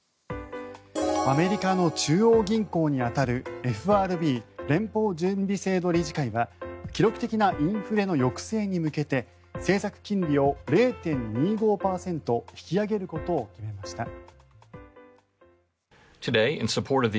アメリカの中央銀行に当たるＦＲＢ・連邦準備制度理事会は記録的なインフレの抑制に向けて政策金利を０．２５％引き上げることを決めました。